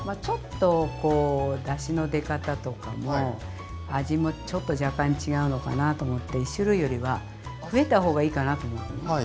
ちょっとこうだしの出方とかも味もちょっと若干違うのかなと思って１種類よりは増えた方がいいかなと思うのね。